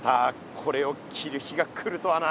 これを着る日が来るとはな。